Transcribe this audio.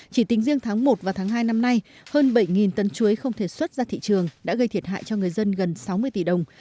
chỉ tính riêng tháng một và tháng hai năm nay hơn bảy tấn chuối không thể xuất ra thị trường đã gây thiệt hại cho người dân gần sáu mươi tỷ đồng